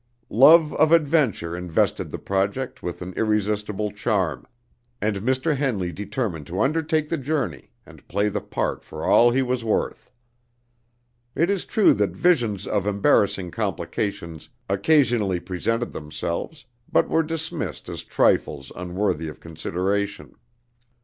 Love of adventure invested the project with an irresistible charm, and Mr. Henley determined to undertake the journey and play the part for all he was worth. It is true that visions of embarrassing complications occasionally presented themselves, but were dismissed as trifles unworthy of consideration.